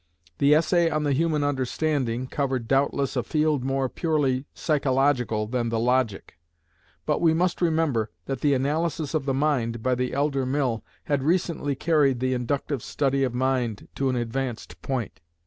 The "Essay on the Human Understanding" covered doubtless a field more purely psychological than the "Logic;" but we must remember that the "Analysis of the Mind" by the elder Mill had recently carried the inductive study of mind to an advanced point.